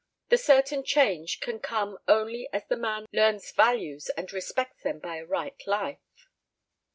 The certain change can come only as the man learns values and respects them by a right life.